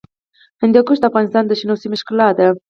هندوکش د افغانستان د شنو سیمو ښکلا ده.